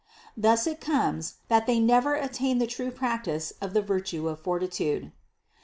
Thus it comes, that they never attain the true practice of the virtue of fortitude.